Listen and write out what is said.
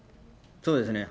そうですね。